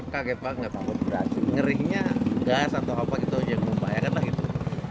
kaget banget ngerinya gas atau apa gitu aja membayangkan lah gitu